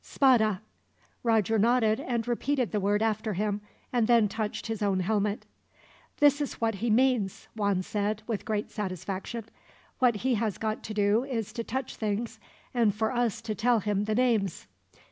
"'Spada.'" Roger nodded, and repeated the word after him, and then touched his own helmet. "That is what he means," Juan said, with great satisfaction. "What he has got to do is to touch things, and for us to tell him the names."